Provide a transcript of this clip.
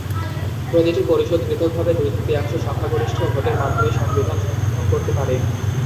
প্রতিটি পরিষদ পৃথকভাবে দুই-তৃতীয়াংশ সংখ্যাগরিষ্ঠ ভোটের মাধ্যমে সংবিধান সংশোধন করতে পারে।